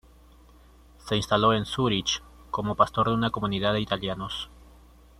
Se instaló en Zúrich como pastor de una comunidad de italianos.